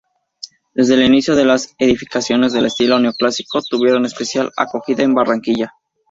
Desde el inicio del las edificaciones de estilo neoclásico tuvieron especial acogida en Barranquilla.